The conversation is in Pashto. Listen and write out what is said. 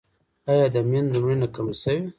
آیا د میندو مړینه کمه شوې؟